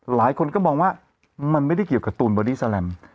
หลายคนก็มองว่ามันไม่ได้เกี่ยวกับตูนบอดี้แลม